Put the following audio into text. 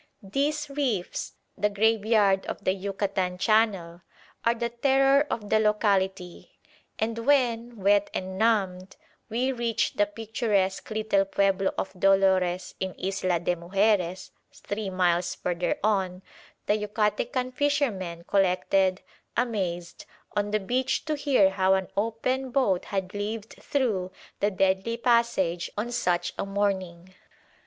These reefs, the "graveyard of the Yucatan Channel," are the terror of the locality; and when, wet and numbed, we reached the picturesque little pueblo of Dolores in Isla de Mujeres three miles further on, the Yucatecan fishermen collected, amazed, on the beach to hear how an open boat had lived through the deadly passage on such a morning.